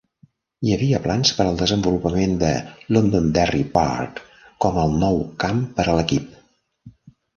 Hi havia plans per al desenvolupament de Londonderry Park com el nou camp per a l'equip.